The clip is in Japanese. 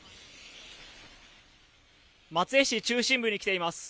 松江市中心部に来ています。